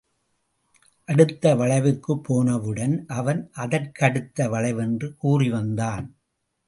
அடுத்த வளைவுக்குப் போனவுடன், அவன் அதற்கடுத்த வளைவென்று கூறி வந்தான்.